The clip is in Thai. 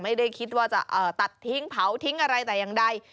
ไม่ได้คิดว่าจะตัดทิ้งเผาทิ้งอะไรแต่อย่างใด